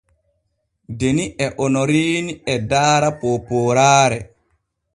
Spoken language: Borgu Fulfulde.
Deni e Onoriini e daara poopooraare.